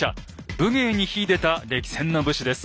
武芸に秀でた歴戦の武士です。